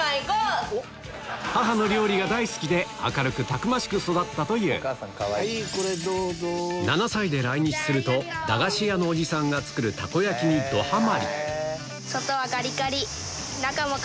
母の料理が大好きで明るくたくましく育ったという７歳で来日すると駄菓子屋のおじさんが作るたこ焼きにどハマり